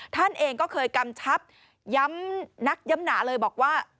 ท่านเองก็เคยกำชับย้ำนักย้ำหนาเลยบอกว่า